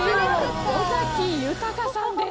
尾崎豊さんです。